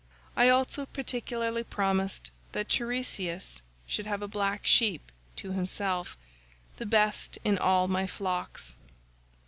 I also particularly promised that Teiresias should have a black sheep to himself, the best in all my flocks.